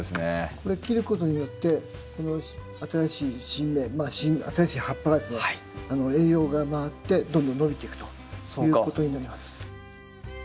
これ切ることによってこの新しい新芽新しい葉っぱがですね栄養が回ってどんどん伸びていくということになります。